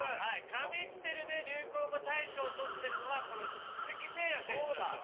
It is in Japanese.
「神ってる」で流行語大賞取ってるのはこの鈴木誠也選手なんですよ。